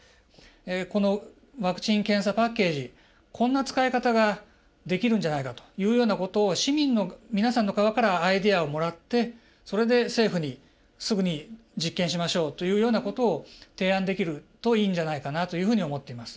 このワクチン・検査パッケージこんな使い方ができるんじゃないかというようなことを市民の皆さんの側からアイデアをもらってそれで政府にすぐに実験しましょうというようなことを提案できるといいんじゃないかなというふうに思っています。